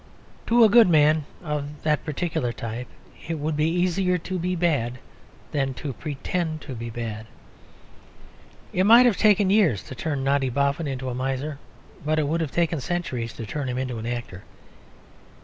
To a good man (of that particular type) it would be easier to be bad than to pretend to be bad. It might have taken years to turn Noddy Boffin into a miser; but it would have taken centuries to turn him into an actor.